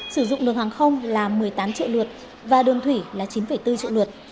sử dụng đường hàng không là một mươi tám triệu lượt và đường thủy là chín bốn triệu lượt